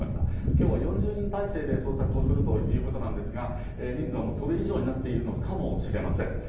きょうは４０人態勢で捜索をするということなんですが、人数はもうそれ以上になっているのかもしれません。